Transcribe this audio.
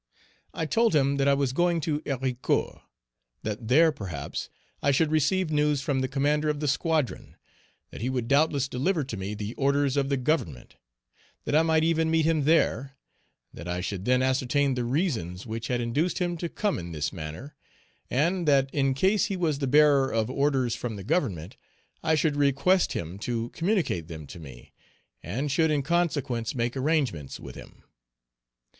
I told him that I was going to Héricourt; that there, perhaps, I should receive news from the commander of the squadron; that he would doubtless deliver to me the orders of the Government; that I might even meet him there; that I should then ascertain the reasons which had induced him to come in this manner; and, that, in case he was the bearer of orders from the government, I should request him to communicate them to me, and should in consequence make arrangements with him.